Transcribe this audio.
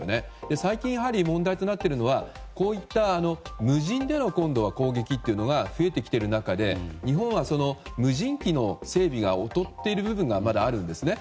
最近やはり問題となっているのはこういった無人での攻撃というのが増えてきている中で日本は無人機の整備が劣っている部分がまだあるんですね。